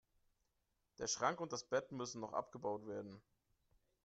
Der Schrank und das Bett müssen noch abgebaut werden.